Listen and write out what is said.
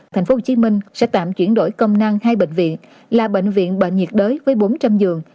tp hcm sẽ tạm chuyển đổi công năng hai bệnh viện là bệnh viện bệnh nhiệt đới với bốn trăm linh giường